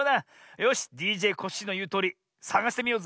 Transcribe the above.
よしＤＪコッシーのいうとおりさがしてみようぜ。